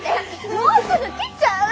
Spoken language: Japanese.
もうすぐ来ちゃう。